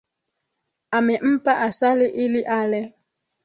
Amempa asali ili ale.